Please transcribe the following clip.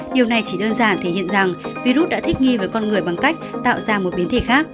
điều này chỉ đơn giản thể hiện rằng virus đã thích nghi với con người bằng cách tạo ra một biến thể khác